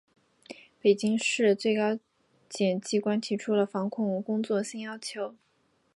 北京市、最高检机关提出了防控工作新要求